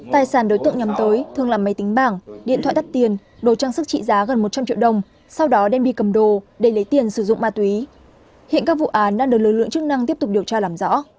tài sản đối tượng nhắm tới thường là máy tính bảng điện thoại đắt tiền đồ trang sức trị giá gần một trăm linh triệu đồng sau đó đem đi cầm đồ để lấy tiền sử dụng ma túy hiện các vụ án đang được lực lượng chức năng tiếp tục điều tra làm rõ